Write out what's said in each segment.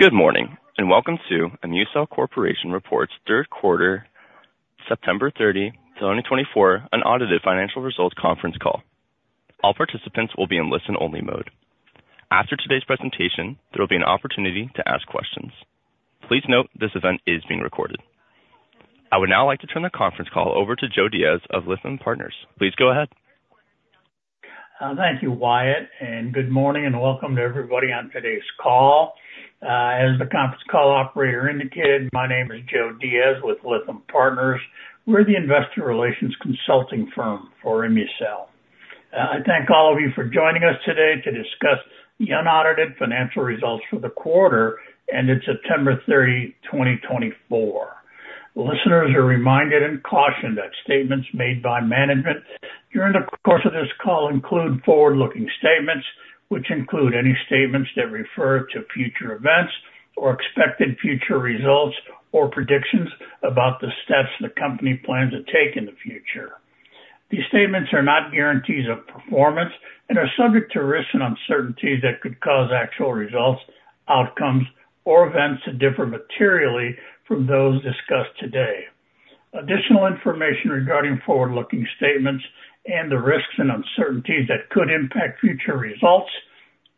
Good morning, and welcome to ImmuCell Corporation reports third quarter, September 30, 2024, unaudited financial results conference call. All participants will be in listen-only mode. After today's presentation, there will be an opportunity to ask questions. Please note this event is being recorded. I would now like to turn the conference call over to Joe Diaz of Lytham Partners. Please go ahead. Thank you, Wyatt, and good morning, and welcome to everybody on today's call. As the conference call operator indicated, my name is Joe Diaz with Lytham Partners. We're the investor relations consulting firm for ImmuCell. I thank all of you for joining us today to discuss the unaudited financial results for the quarter ended September 30, 2024. Listeners are reminded and cautioned that statements made by management during the course of this call include forward-looking statements, which include any statements that refer to future events or expected future results or predictions about the steps the company plans to take in the future. These statements are not guarantees of performance and are subject to risks and uncertainties that could cause actual results, outcomes, or events to differ materially from those discussed today. Additional information regarding forward-looking statements and the risks and uncertainties that could impact future results,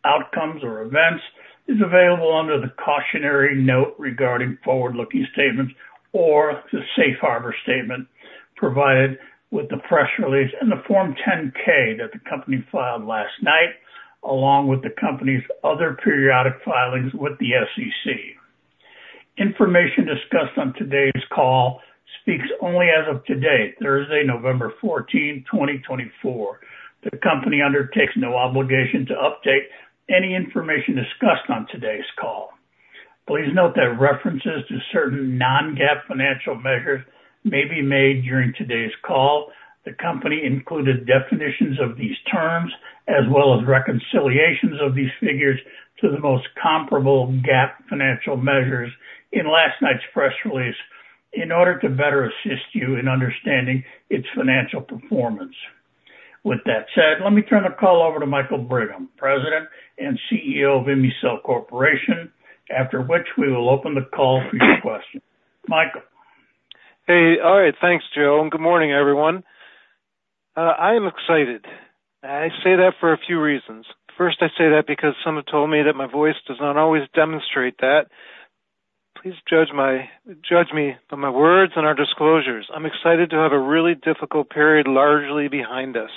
outcomes, or events is available under the cautionary note regarding forward-looking statements or the safe harbor statement provided with the press release and the Form 10-K that the company filed last night, along with the company's other periodic filings with the SEC. Information discussed on today's call speaks only as of today, Thursday, November 14, 2024. The company undertakes no obligation to update any information discussed on today's call. Please note that references to certain non-GAAP financial measures may be made during today's call. The company included definitions of these terms as well as reconciliations of these figures to the most comparable GAAP financial measures in last night's press release in order to better assist you in understanding its financial performance. With that said, let me turn the call over to Michael Brigham, President and CEO of ImmuCell Corporation, after which we will open the call for your questions. Michael. Hey, all right. Thanks, Joe. Good morning, everyone. I am excited. I say that for a few reasons. First, I say that because someone told me that my voice does not always demonstrate that. Please judge me by my words and our disclosures. I'm excited to have a really difficult period largely behind us.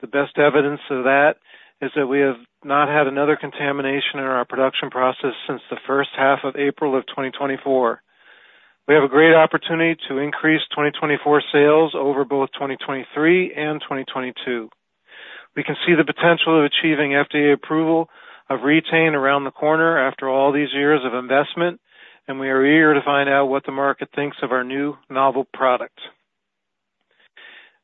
The best evidence of that is that we have not had another contamination in our production process since the first half of April of 2024. We have a great opportunity to increase 2024 sales over both 2023 and 2022. We can see the potential of achieving FDA approval of Re-Tain around the corner after all these years of investment, and we are eager to find out what the market thinks of our new novel product.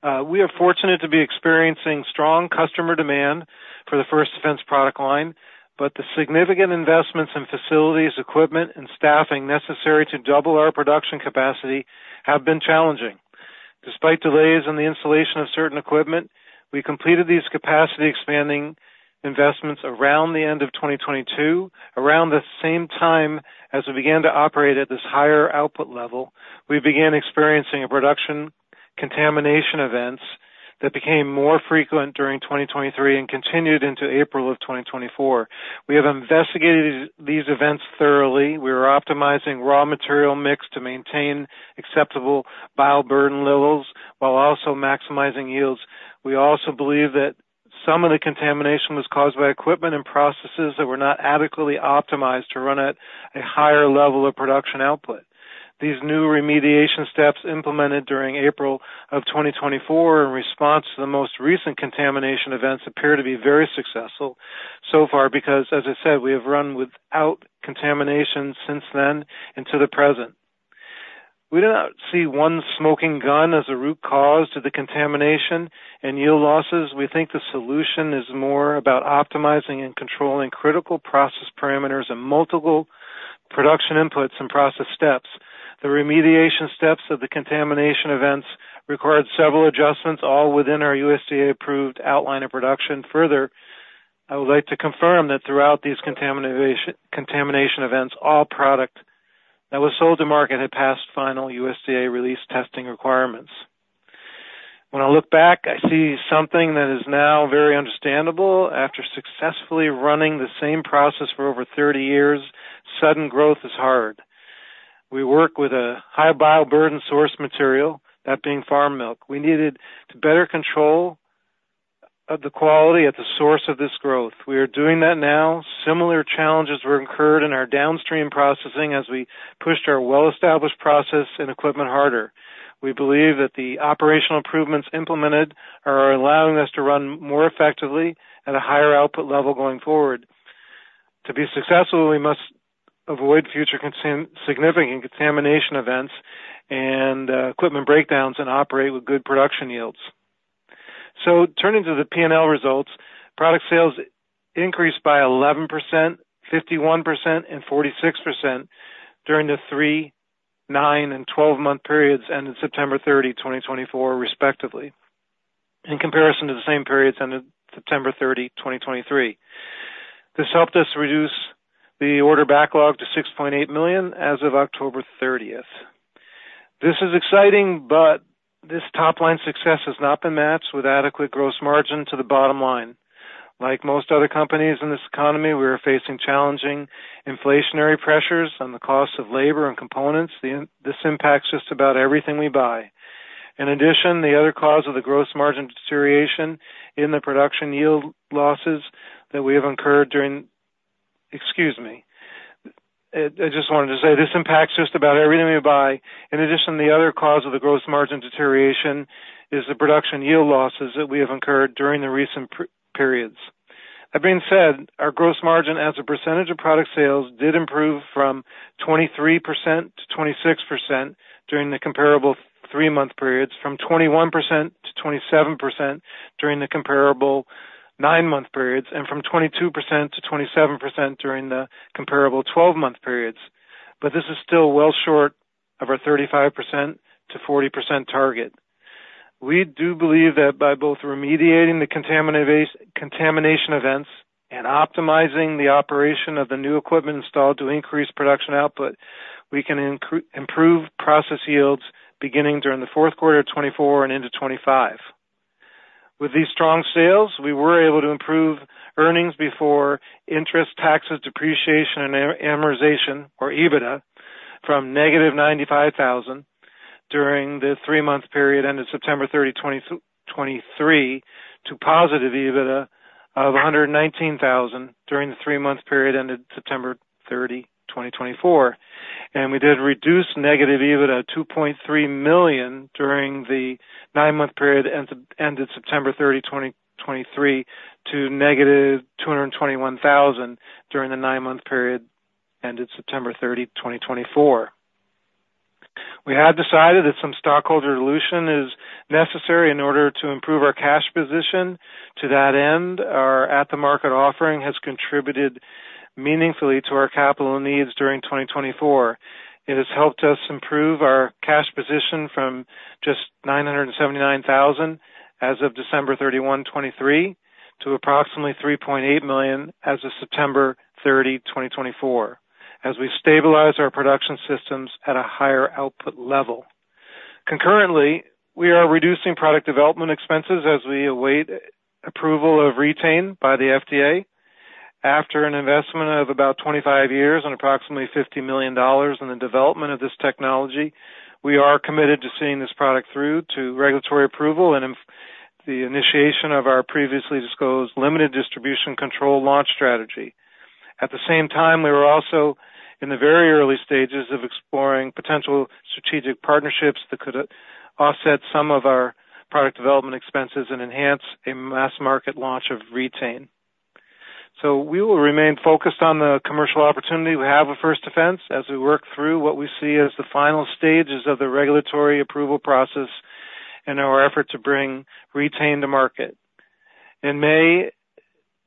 We are fortunate to be experiencing strong customer demand for the First Defense product line, but the significant investments in facilities, equipment, and staffing necessary to double our production capacity have been challenging. Despite delays in the installation of certain equipment, we completed these capacity-expanding investments around the end of 2022, around the same time as we began to operate at this higher output level. We began experiencing production contamination events that became more frequent during 2023 and continued into April of 2024. We have investigated these events thoroughly. We are optimizing raw material mix to maintain acceptable bioburden levels while also maximizing yields. We also believe that some of the contamination was caused by equipment and processes that were not adequately optimized to run at a higher level of production output. These new remediation steps implemented during April of 2024 in response to the most recent contamination events appear to be very successful so far because, as I said, we have run without contamination since then into the present. We do not see one smoking gun as a root cause to the contamination and yield losses. We think the solution is more about optimizing and controlling critical process parameters and multiple production inputs and process steps. The remediation steps of the contamination events required several adjustments, all within our USDA-approved outline of production. Further, I would like to confirm that throughout these contamination events, all product that was sold to market had passed final USDA release testing requirements. When I look back, I see something that is now very understandable. After successfully running the same process for over 30 years, sudden growth is hard. We work with a high bioburden source material, that being farm milk. We needed to better control the quality at the source of this growth. We are doing that now. Similar challenges were incurred in our downstream processing as we pushed our well-established process and equipment harder. We believe that the operational improvements implemented are allowing us to run more effectively at a higher output level going forward. To be successful, we must avoid future significant contamination events and equipment breakdowns and operate with good production yields. Turning to the P&L results, product sales increased by 11%, 51%, and 46% during the three, nine, and twelve-month periods ended September 30, 2024, respectively, in comparison to the same periods ended September 30, 2023. This helped us reduce the order backlog to $6.8 million as of October 30th. This is exciting, but this top-line success has not been matched with adequate gross margin to the bottom line. Like most other companies in this economy, we are facing challenging inflationary pressures on the cost of labor and components. This impacts just about everything we buy. In addition, the other cause of the gross margin deterioration is the production yield losses that we have incurred during the recent periods. That being said, our gross margin as a percentage of product sales did improve from 23%-26% during the comparable three-month periods, from 21%-27% during the comparable nine-month periods, and from 22%-27% during the comparable twelve-month periods. But this is still well short of our 35%-40% target. We do believe that by both remediating the contamination events and optimizing the operation of the new equipment installed to increase production output, we can improve process yields beginning during the fourth quarter of 2024 and into 2025. With these strong sales, we were able to improve earnings before interest, taxes, depreciation, and amortization, or EBITDA, from negative 95,000 during the three-month period ended September 30, 2023, to positive EBITDA of 119,000 during the three-month period ended September 30, 2024. And we did reduce negative EBITDA of $2.3 million during the nine-month period ended September 30, 2023, to negative 221,000 during the nine-month period ended September 30, 2024. We have decided that some stockholder dilution is necessary in order to improve our cash position. To that end, our at-the-market offering has contributed meaningfully to our capital needs during 2024. It has helped us improve our cash position from just $979,000 as of December 31, 2023, to approximately $3.8 million as of September 30, 2024, as we stabilize our production systems at a higher output level. Concurrently, we are reducing product development expenses as we await approval of Re-Tain by the FDA. After an investment of about 25 years and approximately $50 million in the development of this technology, we are committed to seeing this product through to regulatory approval and the initiation of our previously disclosed limited distribution control launch strategy. At the same time, we were also in the very early stages of exploring potential strategic partnerships that could offset some of our product development expenses and enhance a mass-market launch of Re-Tain. So we will remain focused on the commercial opportunity we have with First Defense as we work through what we see as the final stages of the regulatory approval process in our effort to bring Re-Tain to market. In May,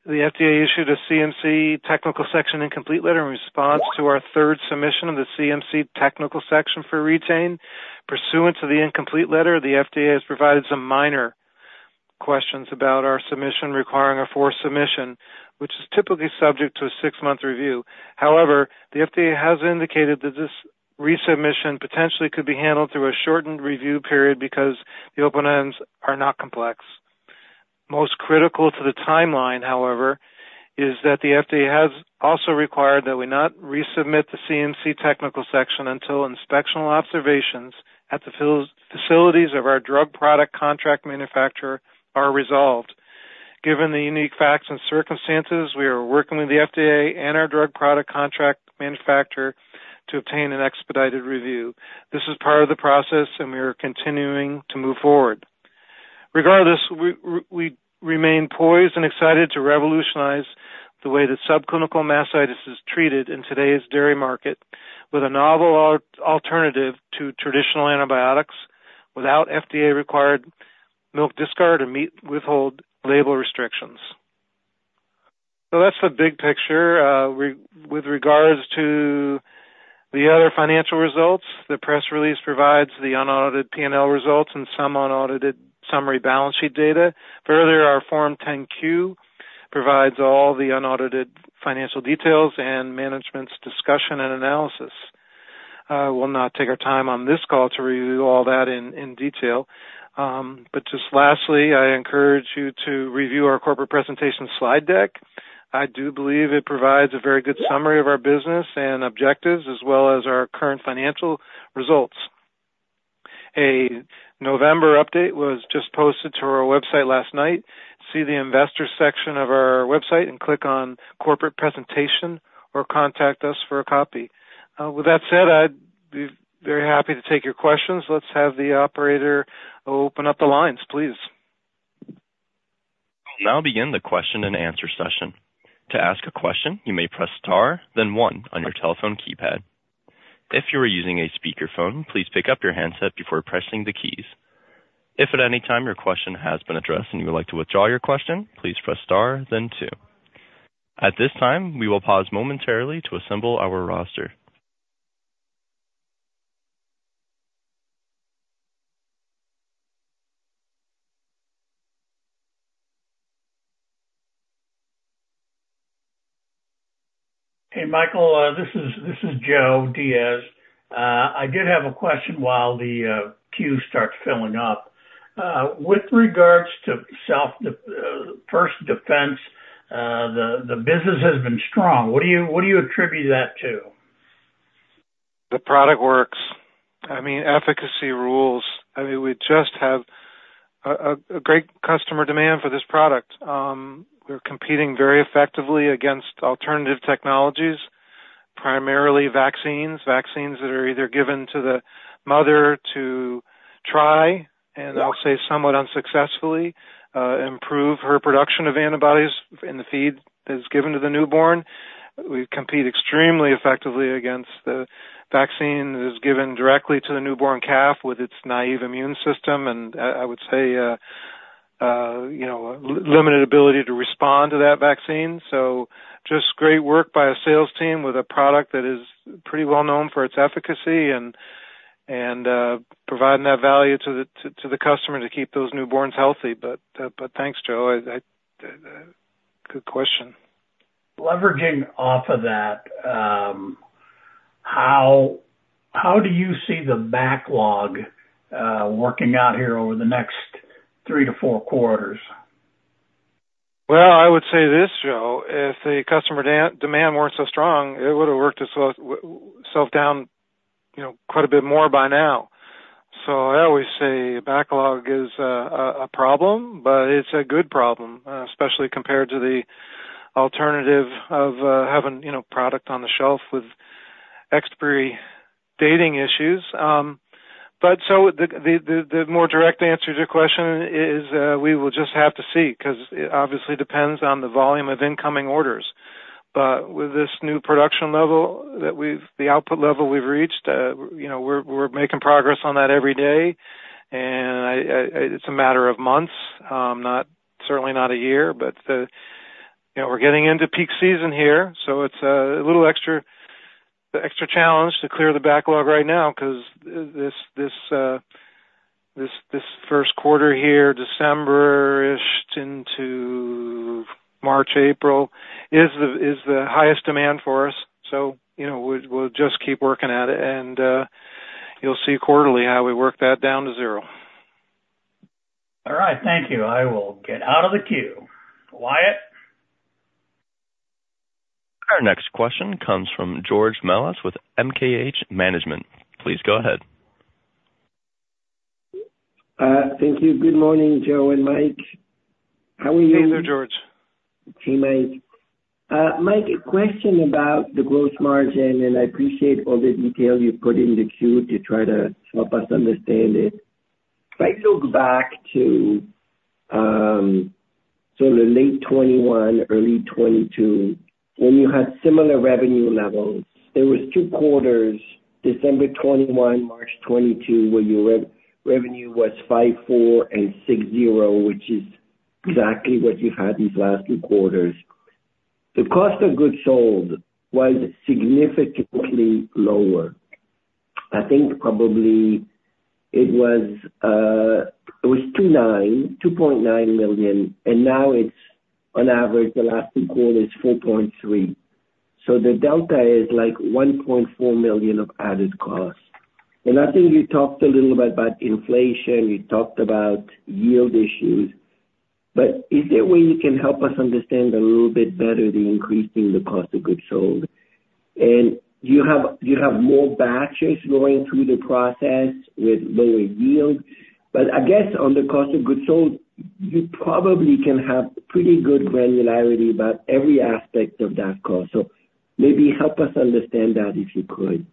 the FDA issued a CMC technical section incomplete letter in response to our third submission of the CMC technical section for Re-Tain. Pursuant to the incomplete letter, the FDA has provided some minor questions about our submission requiring a forward submission, which is typically subject to a six-month review. However, the FDA has indicated that this resubmission potentially could be handled through a shortened review period because the open ends are not complex. Most critical to the timeline, however, is that the FDA has also required that we not resubmit the CMC technical section until inspectional observations at the facilities of our drug product contract manufacturer are resolved. Given the unique facts and circumstances, we are working with the FDA and our drug product contract manufacturer to obtain an expedited review. This is part of the process, and we are continuing to move forward. Regardless, we remain poised and excited to revolutionize the way that subclinical mastitis is treated in today's dairy market with a novel alternative to traditional antibiotics without FDA-required milk discard or meat withhold label restrictions. So that's the big picture. With regards to the other financial results, the press release provides the unaudited P&L results and some unaudited summary balance sheet data. Further, our Form 10-Q provides all the unaudited financial details and management's discussion and analysis. We'll not take our time on this call to review all that in detail. But just lastly, I encourage you to review our corporate presentation slide deck. I do believe it provides a very good summary of our business and objectives as well as our current financial results. A November update was just posted to our website last night. See the investor section of our website and click on corporate presentation or contact us for a copy. With that said, I'd be very happy to take your questions. Let's have the operator open up the lines, please. We'll now begin the question-and-answer session. To ask a question, you may press star, then one on your telephone keypad. If you are using a speakerphone, please pick up your handset before pressing the keys. If at any time your question has been addressed and you would like to withdraw your question, please press star, then two. At this time, we will pause momentarily to assemble our roster. Hey, Michael, this is Joe Diaz. I did have a question while the queue starts filling up. With regards to First Defense, the business has been strong. What do you attribute that to? The product works. I mean, efficacy rules. I mean, we just have a great customer demand for this product. We're competing very effectively against alternative technologies, primarily vaccines, vaccines that are either given to the mother to try, and I'll say somewhat unsuccessfully, improve her production of antibodies in the feed that is given to the newborn. We compete extremely effectively against the vaccine that is given directly to the newborn calf with its naive immune system and, I would say, limited ability to respond to that vaccine. So just great work by a sales team with a product that is pretty well known for its efficacy and providing that value to the customer to keep those newborns healthy. But thanks, Joe. Good question. Leveraging off of that, how do you see the backlog working out here over the next three to four quarters? I would say this, Joe. If the customer demand weren't so strong, it would have worked itself down quite a bit more by now. I always say backlog is a problem, but it's a good problem, especially compared to the alternative of having product on the shelf with expiry dating issues. The more direct answer to your question is we will just have to see because it obviously depends on the volume of incoming orders. With this new production level, the output level we've reached, we're making progress on that every day. It's a matter of months, certainly not a year. We're getting into peak season here. It's a little extra challenge to clear the backlog right now because this first quarter here, December-ish into March, April, is the highest demand for us. We'll just keep working at it. You'll see quarterly how we work that down to zero. All right. Thank you. I will get out of the queue. Wyatt. Our next question comes from George Melas with MKH Management. Please go ahead. Thank you. Good morning, Joe and Mike. How are you? Hey there, George. Hey, Mike. Mike, a question about the gross margin, and I appreciate all the detail you put in the queue to try to help us understand it. If I look back to sort of late 2021, early 2022, when you had similar revenue levels, there were two quarters, December 2021, March 2022, where your revenue was $5.4 million and $6.0 million, which is exactly what you've had these last two quarters. The cost of goods sold was significantly lower. I think probably it was $2.9 million, $2.9 million, and now it's on average, the last two quarters is $4.3 million. So the delta is like $1.4 million of added cost. And I think you talked a little bit about inflation. You talked about yield issues. But is there a way you can help us understand a little bit better the increasing the cost of goods sold? And you have more batches going through the process with lower yield. But I guess on the cost of goods sold, you probably can have pretty good granularity about every aspect of that cost. So maybe help us understand that if you could.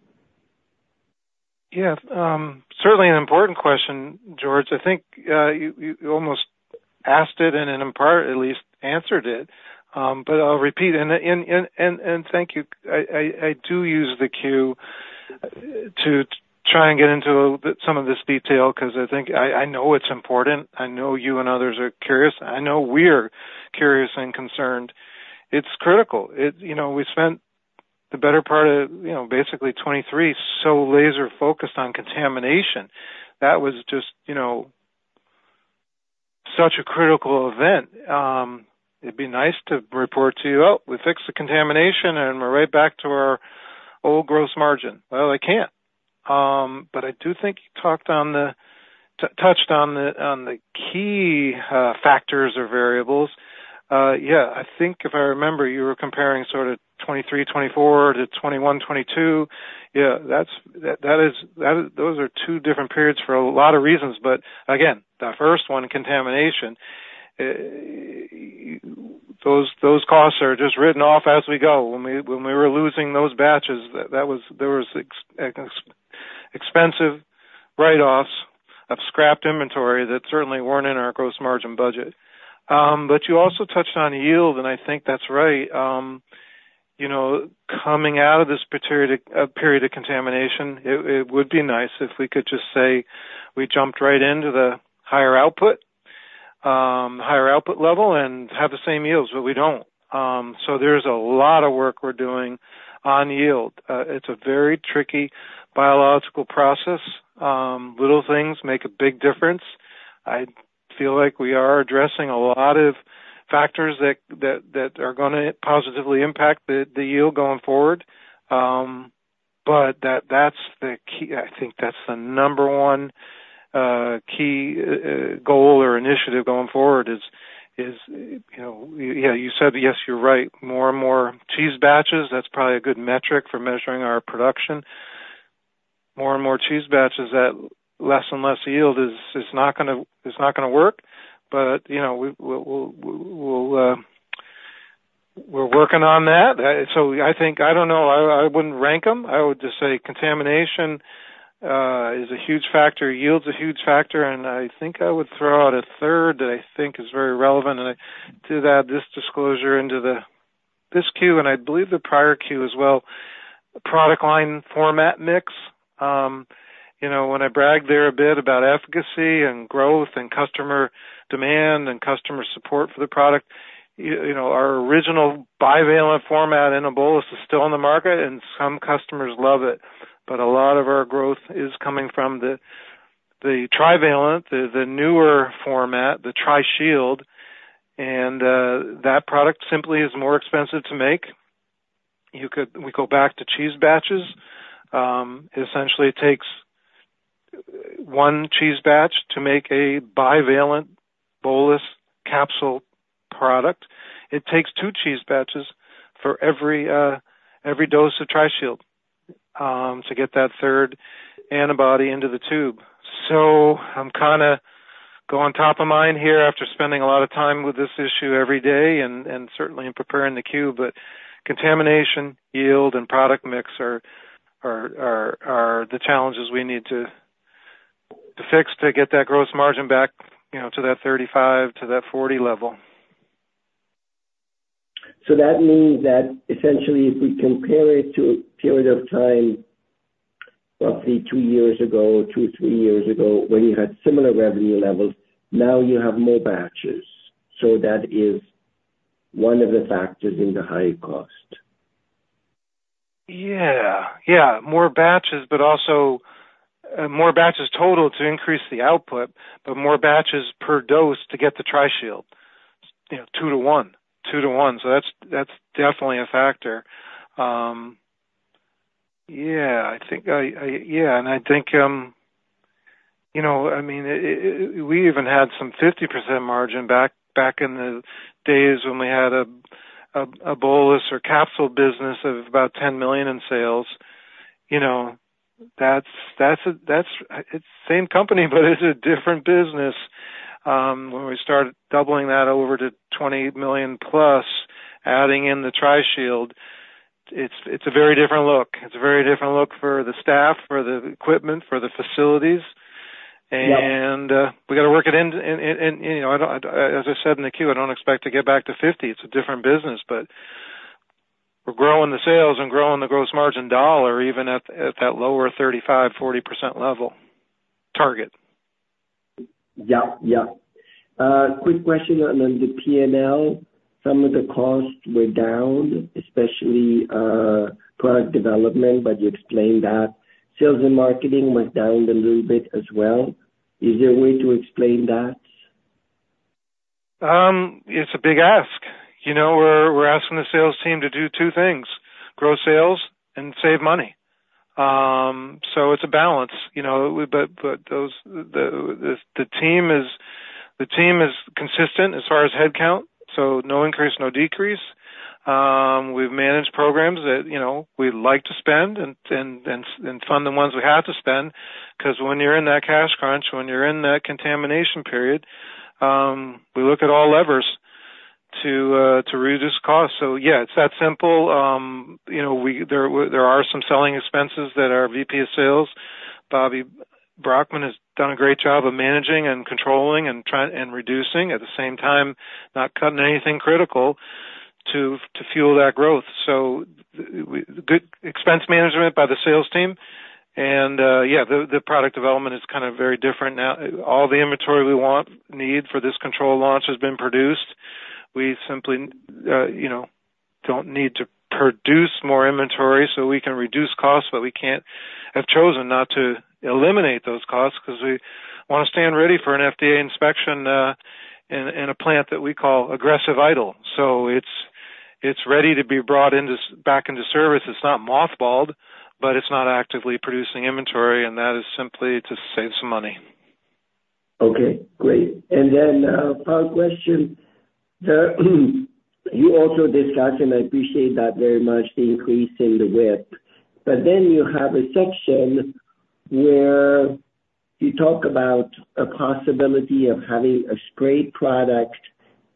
Yeah. Certainly an important question, George. I think you almost asked it and in part at least answered it. But I'll repeat. And thank you. I do use the queue to try and get into some of this detail because I think I know it's important. I know you and others are curious. I know we're curious and concerned. It's critical. We spent the better part of basically 2023 so laser-focused on contamination. That was just such a critical event. It'd be nice to report to you, "Oh, we fixed the contamination, and we're right back to our old gross margin." Well, I can't. But I do think you touched on the key factors or variables. Yeah. I think if I remember, you were comparing sort of 2023, 2024 to 2021, 2022. Yeah. Those are two different periods for a lot of reasons. But again, the first one, contamination, those costs are just written off as we go. When we were losing those batches, there were expensive write-offs of scrapped inventory that certainly weren't in our gross margin budget. But you also touched on yield, and I think that's right. Coming out of this period of contamination, it would be nice if we could just say we jumped right into the higher output level and have the same yields, but we don't. So there's a lot of work we're doing on yield. It's a very tricky biological process. Little things make a big difference. I feel like we are addressing a lot of factors that are going to positively impact the yield going forward. But I think that's the number one key goal or initiative going forward is, yeah, you said. Yes, you're right. More and more cheese batches, that's probably a good metric for measuring our production. More and more cheese batches at less and less yield is not going to work. But we're working on that. So I don't know. I wouldn't rank them. I would just say contamination is a huge factor. Yield's a huge factor. And I think I would throw out a third that I think is very relevant. And I did add this disclosure into this queue, and I believe the prior queue as well, product line format mix. When I bragged there a bit about efficacy and growth and customer demand and customer support for the product, our original bivalent format in a bolus is still in the market, and some customers love it. But a lot of our growth is coming from the trivalent, the newer format, the Tri-Shield. That product simply is more expensive to make. We go back to cheese batches. Essentially, it takes one cheese batch to make a bivalent bolus capsule product. It takes two cheese batches for every dose of Tri-Shield to get that third antibody into the tube. So I'm kind of going top of mind here after spending a lot of time with this issue every day and certainly in preparing the 10-Q, but contamination, yield, and product mix are the challenges we need to fix to get that gross margin back to that 35% to 40% level. So that means that essentially, if we compare it to a period of time roughly two years ago, two, three years ago, when you had similar revenue levels, now you have more batches. So that is one of the factors in the high cost. Yeah. Yeah. More batches, but also more batches total to increase the output, but more batches per dose to get the Tri-Shield. Two to one, two to one. So that's definitely a factor. Yeah. Yeah. And I think, I mean, we even had some 50% margin back in the days when we had a bolus or capsule business of about $10 million in sales. That's the same company, but it's a different business. When we started doubling that over to $20 million plus, adding in the Tri-Shield, it's a very different look. It's a very different look for the staff, for the equipment, for the facilities. And we got to work it in. As I said in the Q, I don't expect to get back to 50%. It's a different business. But we're growing the sales and growing the gross margin dollar even at that lower 35%-40% level target. Yep. Yep. Quick question on the P&L. Some of the costs were down, especially product development, but you explained that. Sales and marketing went down a little bit as well. Is there a way to explain that? It's a big ask. We're asking the sales team to do two things: grow sales and save money. So it's a balance. But the team is consistent as far as headcount. So no increase, no decrease. We've managed programs that we like to spend and fund the ones we have to spend because when you're in that cash crunch, when you're in that contamination period, we look at all levers to reduce costs. So yeah, it's that simple. There are some selling expenses that our VP of sales, Bobbi Brockman, has done a great job of managing and controlling and reducing, at the same time, not cutting anything critical to fuel that growth. So good expense management by the sales team. And yeah, the product development is kind of very different now. All the inventory we need for this control launch has been produced. We simply don't need to produce more inventory so we can reduce costs, but we can't have chosen not to eliminate those costs because we want to stand ready for an FDA inspection in a plant that we call aggressive idle, so it's ready to be brought back into service. It's not mothballed, but it's not actively producing inventory, and that is simply to save some money. Okay. Great. And then a power question. You also discussed, and I appreciate that very much, the increase in the width. But then you have a section where you talk about a possibility of having a spray product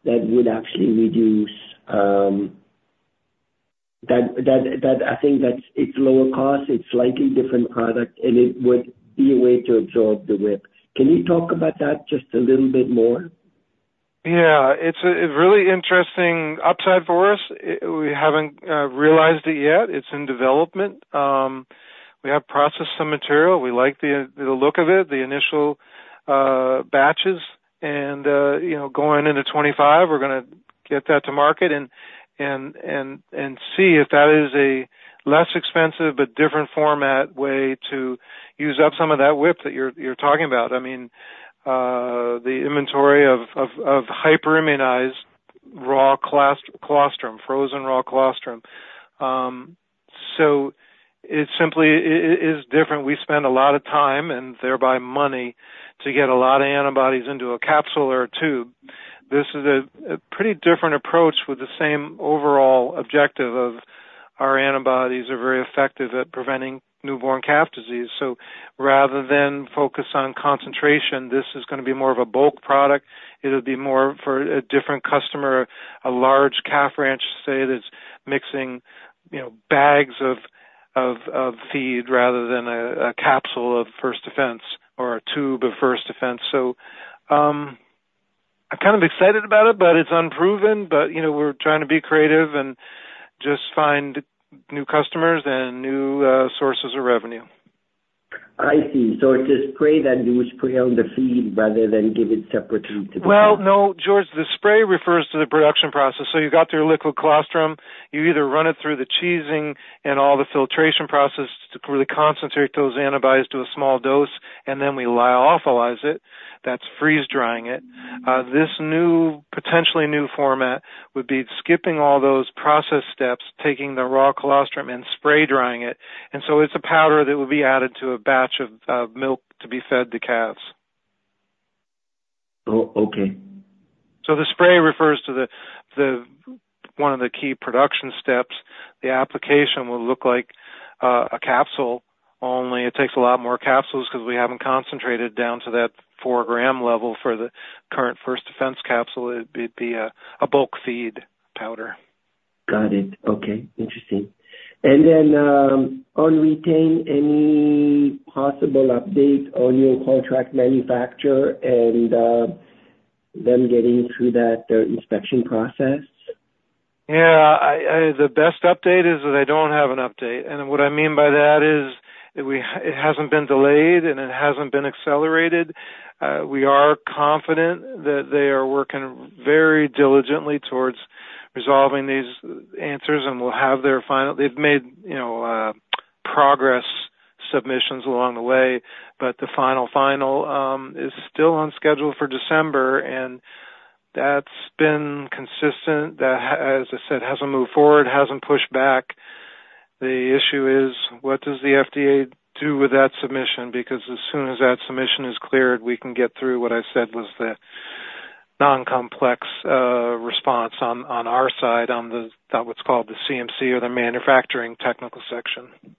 that would actually reduce that. I think that it's lower cost, it's slightly different product, and it would be a way to absorb the width. Can you talk about that just a little bit more? Yeah. It's really interesting upside for us. We haven't realized it yet. It's in development. We have processed some material. We like the look of it, the initial batches. And going into 2025, we're going to get that to market and see if that is a less expensive but different format way to use up some of that waste that you're talking about. I mean, the inventory of hyperimmunized raw colostrum, frozen raw colostrum. So it's different. We spend a lot of time and thereby money to get a lot of antibodies into a capsule or a tube. This is a pretty different approach with the same overall objective of our antibodies are very effective at preventing newborn calf disease. So rather than focus on concentration, this is going to be more of a bulk product. It'll be more for a different customer, a large calf ranch, say, that's mixing bags of feed rather than a capsule of First Defense or a tube of First Defense. So I'm kind of excited about it, but it's unproven. But we're trying to be creative and just find new customers and new sources of revenue. I see. So it's a spray that you would spray on the feed rather than give it separately to the feed? Well, no, George, the spray refers to the production process. So you got your liquid colostrum. You either run it through the cheesing and all the filtration process to really concentrate those antibodies to a small dose, and then we lyophilize it. That's freeze-drying it. This potentially new format would be skipping all those process steps, taking the raw colostrum and spray-drying it. And so it's a powder that will be added to a batch of milk to be fed to calves. Oh, okay. So the spray refers to one of the key production steps. The application will look like a capsule only. It takes a lot more capsules because we haven't concentrated down to that 4-gram level for the current First Defense capsule. It'd be a bulk feed powder. Got it. Okay. Interesting. And then on Re-Tain, any possible update on your contract manufacturer and them getting through that inspection process? Yeah. The best update is that I don't have an update. And what I mean by that is it hasn't been delayed, and it hasn't been accelerated. We are confident that they are working very diligently towards resolving these answers, and we'll have their final. They've made progress submissions along the way. But the final, final is still on schedule for December, and that's been consistent. As I said, it hasn't moved forward, hasn't pushed back. The issue is, what does the FDA do with that submission? Because as soon as that submission is cleared, we can get through what I said was the non-complex response on our side on what's called the CMC or the manufacturing technical section.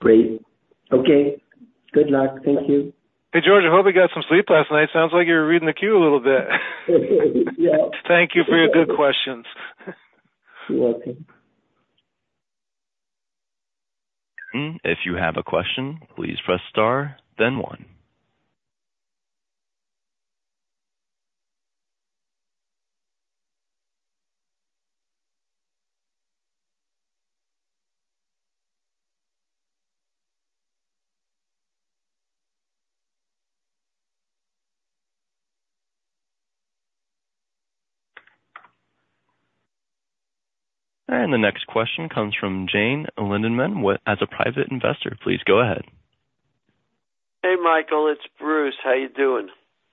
Great. Okay. Good luck. Thank you. Hey, George. I hope you got some sleep last night. Sounds like you were reading the queue a little bit. Thank you for your good questions. You're welcome. If you have a question, please press star, then one, and the next question comes from Jane Lindemann. As a private investor, please go ahead. Hey, Michael. It's Bruce. How are you doing?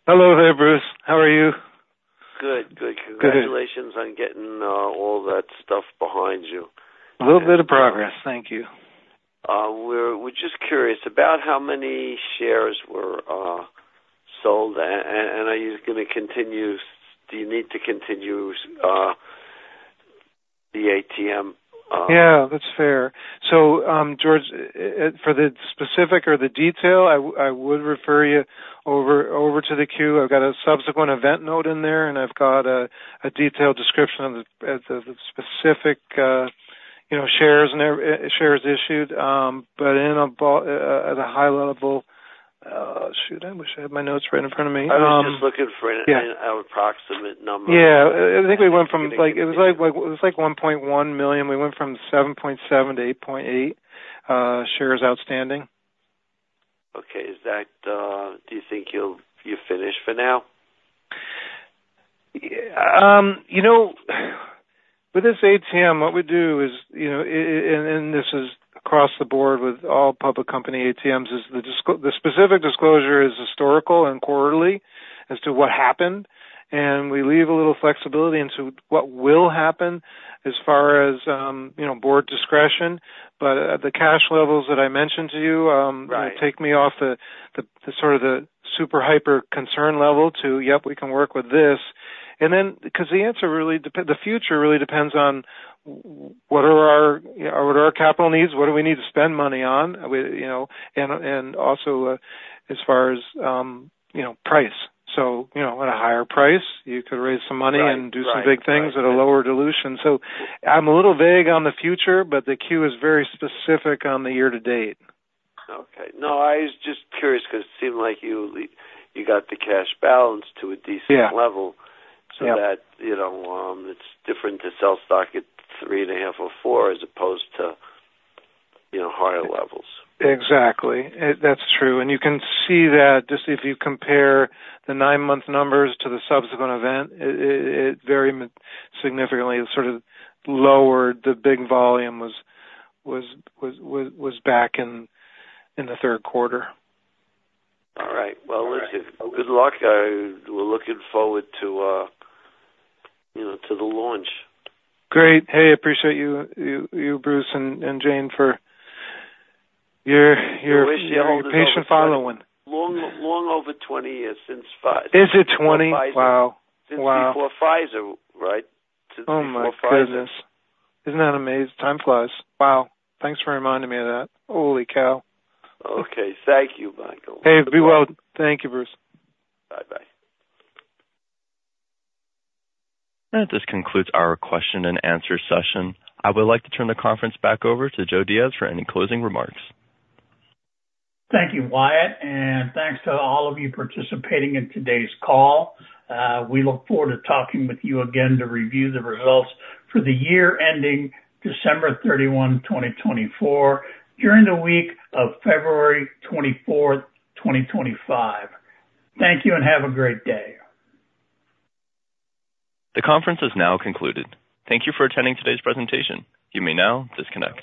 Hello. Hey, Bruce. How are you? Good. Good. Congratulations on getting all that stuff behind you. A little bit of progress. Thank you. We're just curious about how many shares were sold, and are you going to continue? Do you need to continue the ATM? Yeah. That's fair. So, George, for the specific or the detail, I would refer you over to the Q. I've got a subsequent event note in there, and I've got a detailed description of the specific shares issued. But at a high level shoot, I wish I had my notes right in front of me. I was just looking for an approximate number. Yeah. I think we went from it was like 1.1 million. We went from 7.7 to 8.8 shares outstanding. Okay. Do you think you've finished for now? With this ATM, what we do is, and this is across the board with all public company ATMs, is the specific disclosure is historical and quarterly as to what happened. And we leave a little flexibility into what will happen as far as board discretion. But the cash levels that I mentioned to you take me off the sort of the super hyper concern level to, yep, we can work with this. And then because the future really depends on what are our capital needs, what do we need to spend money on, and also as far as price. So at a higher price, you could raise some money and do some big things at a lower dilution. So I'm a little vague on the future, but the Q is very specific on the year to date. Okay. No, I was just curious because it seemed like you got the cash balance to a decent level so that it's different to sell stock at three and a half or four as opposed to higher levels. Exactly. That's true. And you can see that just if you compare the nine-month numbers to the subsequent event, it very significantly sort of lowered the big volume was back in the third quarter. All right. Well, good luck. We're looking forward to the launch. Great. Hey, appreciate you, Bruce and Jane, for your patience following. Long over 20 years since Pfizer. Is it 20? Wow. Since before Pfizer, right? Oh, my goodness. Isn't that amazing? Time flies. Wow. Thanks for reminding me of that. Holy cow. Okay. Thank you, Michael. Hey, be well. Thank you, Bruce. Bye-bye. That just concludes our question and answer session. I would like to turn the conference back over to Joe Diaz for any closing remarks. Thank you, Wyatt. And thanks to all of you participating in today's call. We look forward to talking with you again to review the results for the year ending December 31, 2024, during the week of February 24th, 2025. Thank you and have a great day. The conference has now concluded. Thank you for attending today's presentation. You may now disconnect.